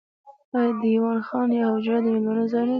آیا دیوان خانه یا حجره د میلمنو ځای نه دی؟